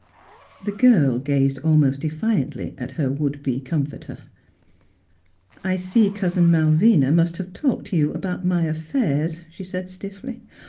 The girl gazed almost defiantly at her would be comforter. " I see Cousin Malvina must have talked to you about my affairs," she said stiffly.